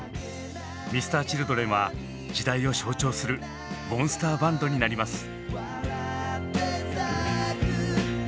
Ｍｒ．Ｃｈｉｌｄｒｅｎは時代を象徴するモンスターバンドになります。